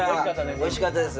美味しかったです。